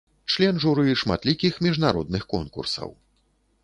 Член журы шматлікіх міжнародных конкурсаў.